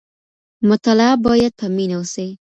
مطالعه باید په مینه وسي.